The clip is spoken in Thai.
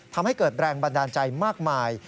ทำให้เกิดแรงบันดาลใจมากมาย